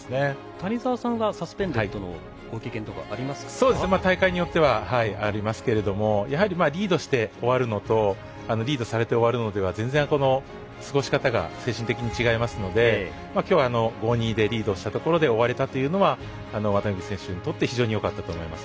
谷澤さんはサスペンデッドのご経験とか大会によってはありますがやはりリードして終わるのとリードされて終わるのは全然、過ごしかたが精神的に違いますので今日は５−２でリードしたところで終われたというのは綿貫選手にとって非常によかったと思います。